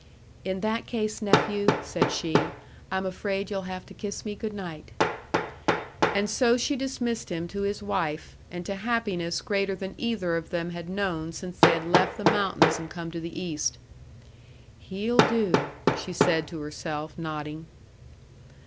"In that case, nephew," said she, "I'm afraid you'll have to kiss me good night." And so she dismissed him to his wife, and to happiness greater than either of them had known since they had left the mountains and come to the East. "He'll do," she said to herself, nodding.